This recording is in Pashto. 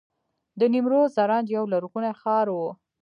د نیمروز زرنج یو لرغونی ښار و